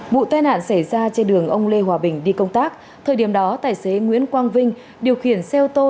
vụ tai nạn xảy ra trên đường ông lê hòa bình đi công tác thời điểm đó tài xế nguyễn quang vinh điều khiển xe ô tô